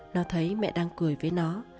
nó thấy mẹ đang cười với nó